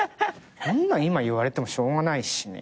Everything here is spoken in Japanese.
そんなん今言われてもしょうがないしね。